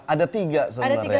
ada tiga sebenarnya